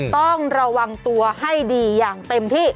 ต้องระวังตัวให้ดีอย่างเต็มที่